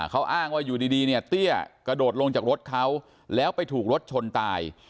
เขาอ้างว่าอยู่ดีเนี่ยเตี้ยกระโดดลงจากรถเขาแล้วไปถูกรถชนตาย